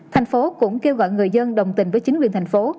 thành phố cũng kêu gọi người dân đồng tình với chính quyền thành phố